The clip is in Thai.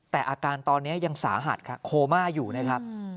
แต่อาการตอนนี้ยังสาหัสครับโคม่าอยู่นะครับ